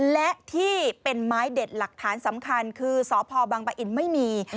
และที่เป็นไม้เด็ดหลักฐานสำคัญคือสพบังปะอินไม่มี